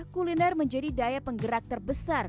kuliner menjadi daya penggerak terbesar